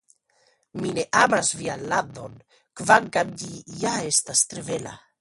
Mi ne amas vian landon, kvankam ĝi ja estas tre bela.